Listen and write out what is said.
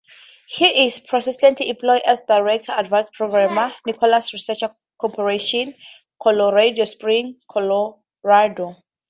He is presently employed as Director, Advanced Programs, Nichols Research Corporation, Colorado Springs, Colorado.